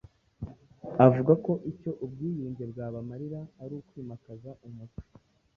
Avuga ko icyo ubwiyunge bwabamarira ari ukwimakaza umuco